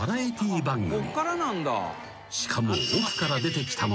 ［しかも］